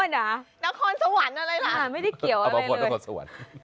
นครสวรรค์อะไรล่ะอัพพอร์นนครสวรรค์